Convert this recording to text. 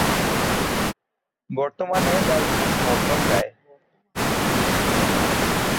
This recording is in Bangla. বর্তমানে বাড়িটি ভগ্নপ্রায়।